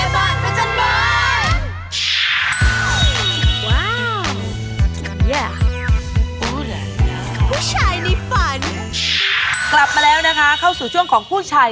แม่บ้านผู้อยากจะด